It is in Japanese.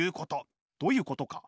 どういうことか。